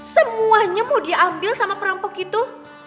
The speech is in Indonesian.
semuanya mau diambil sama perampok itu